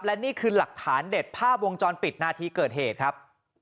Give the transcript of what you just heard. และนี่คือหลักฐานเด็ดภาพวงจรปิดนาทีเกิดเหตุครับ